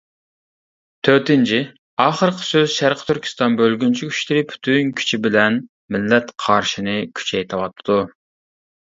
تۆتىنچى، ئاخىرقى سۆز شەرقىي تۈركىستان بۆلگۈنچى كۈچلىرى پۈتۈن كۈچى بىلەن مىللەت قارىشىنى كۈچەيتىۋاتىدۇ.